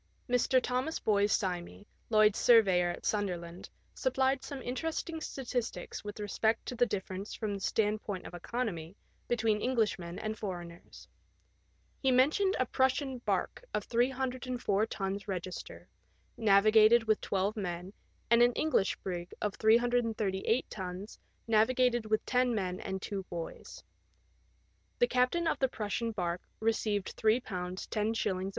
Mr. Thomas Boyes Simey, Lloyd's surveyor at Sunderland, supplied some interest ing statistics with respect to the difference from the stand point of economy between Englishmen and foreigners. .He mentioned a Prussian barque of 304 tons register, navigated with twelve men, and an EngUsh brig of 338 tons, navigated with ten men and two boys. The captain of the Prussian barque received £3 10s.